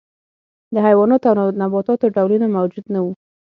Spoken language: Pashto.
د حیواناتو او نباتاتو ډولونه موجود نه وو.